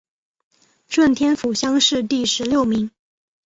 顺天府乡试第十六名。